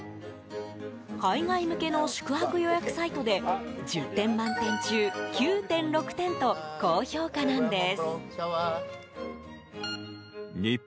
海外向けの宿泊予約サイトで１０点満点中９．６点と高評価なんです。